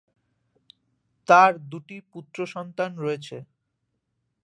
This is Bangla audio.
তার দুটি পুত্র সন্তান রয়েছে।